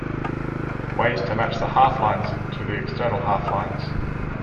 ways to match the half-lines in to the external half-lines.